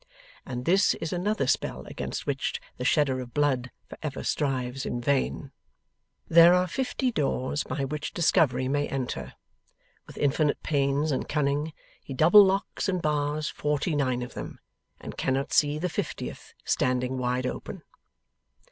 And this is another spell against which the shedder of blood for ever strives in vain. There are fifty doors by which discovery may enter. With infinite pains and cunning, he double locks and bars forty nine of them, and cannot see the fiftieth standing wide open.